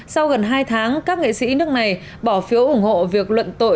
sau gần hai tháng các nghệ sĩ nước này bỏ phiếu ủng hộ việc luận tội